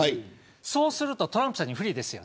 そうするとトランプさんに不利です。